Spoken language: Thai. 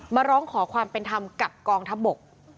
มาร้องขอความเป็นธรรมกับกองทัพบก